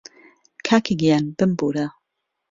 کاکەگیان بمبوورە